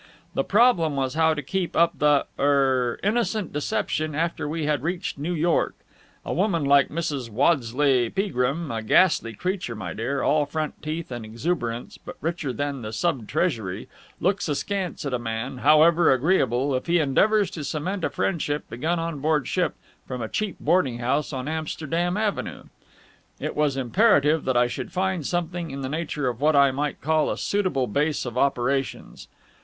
The problem was how to keep up the er innocent deception after we had reached New York. A woman like Mrs. Waddesleigh Peagrim a ghastly creature, my dear, all front teeth and exuberance, but richer than the Sub Treasury looks askance at a man, however agreeable, if he endeavours to cement a friendship begun on board ship from a cheap boarding house on Amsterdam Avenue. It was imperative that I should find something in the nature of what I might call a suitable base of operations.